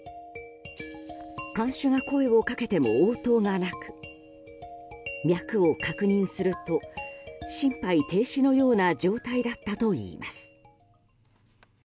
看守が声をかけても応答がなく脈を確認すると心肺停止のような状態だったといいます。